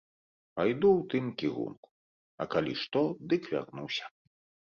Пайду ў тым кірунку, а калі што, дык вярнуся.